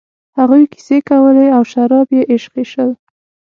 هغوی کیسې کولې او شراب یې ایشخېشل.